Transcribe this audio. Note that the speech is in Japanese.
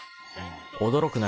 ［驚く